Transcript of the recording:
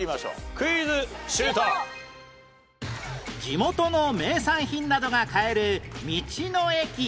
地元の名産品などが買える道の駅